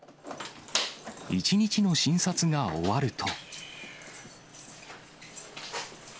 １日の診察が終わると。